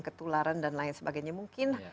ketularan dan lain sebagainya mungkin